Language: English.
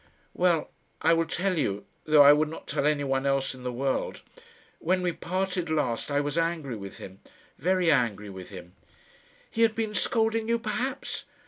"Well; I will tell you, though I would not tell anyone else in the world. When we parted last I was angry with him very angry with him." "He had been scolding you, perhaps?"